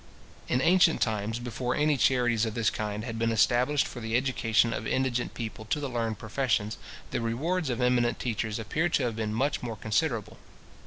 In ancient times, before any charities of this kind had been established for the education of indigent people to the learned professions, the rewards of eminent teachers appear to have been much more considerable.